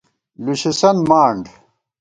لُشِسنت مانڈ